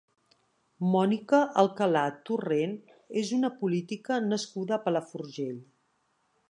Mònica Alcalà Torrent és una política nascuda a Palafrugell.